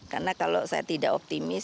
karena kalau saya tidak optimis